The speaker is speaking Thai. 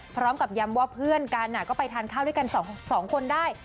พร้อมกับย้ำว่าเพื่อนกันก็ไปทานข้าวด้วยกัน๒คนได้